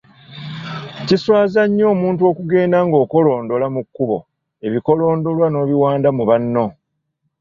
Kiswaza nnyo omuntu okugenda ng’okolondola mu kkubo ebikolondolwa n’obiwanda mu banno.